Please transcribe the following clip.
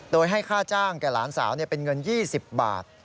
โดยให้ค่าจ้างแก่หลานสาวเป็นเงิน๒๐บาท